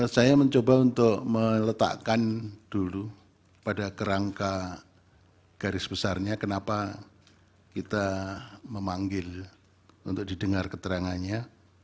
saya mencoba untuk meletakkan dulu pada kerangka garis besarnya kenapa kita memanggil untuk didengar keterangannya